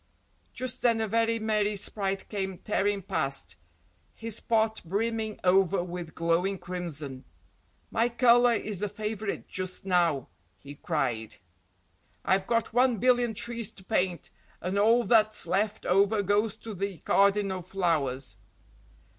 Just then a very merry sprite came tearing past, his pot brimming over with glowing crimson. "My colour is the favourite just now," he cried. "I've got one billion trees to paint and all that's left over goes to the cardinal flowers."